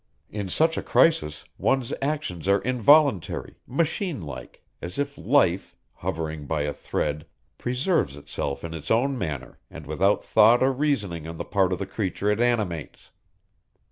In such a crisis one's actions are involuntary, machine like, as if life, hovering by a thread, preserves itself in its own manner and without thought or reasoning on the part of the creature it animates.